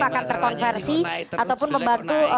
akan terkonversi ataupun membantu